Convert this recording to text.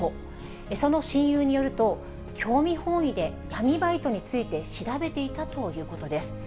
その親友によると、興味本位で闇バイトについて調べていたということです。